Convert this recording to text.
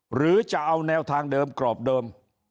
หรือจะเอาแนวทางเดิมกรอบเดิม